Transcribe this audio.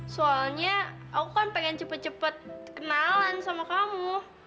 soalnya aku kan pengen cepet cepet kenalan sama kamu